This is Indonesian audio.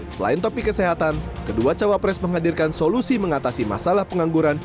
selain topik kesehatan kedua cawapres menghadirkan solusi mengatasi masalah pengangguran